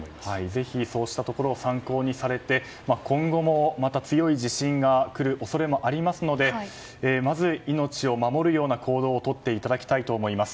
ぜひ、そうしたところを参考にされて今後もまた強い地震が来る恐れもありますのでまず命を守るような行動をとっていただきたいと思います。